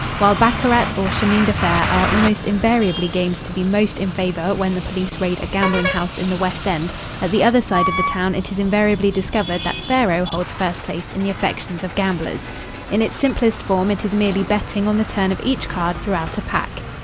While baccarat or chemin de fer are almost invariably games to be most in favour when the police raid a gambling house in the West End, at the other side of the town it is invariably discovered that faro holds first place in the affections of gamblers. In its simplest form it is merely betting on the turn of each card throughout a pack.